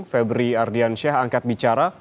febri ardiansyah angkat bicara